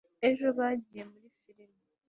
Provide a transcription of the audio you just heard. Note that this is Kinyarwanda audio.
ejo, bagiye muri firime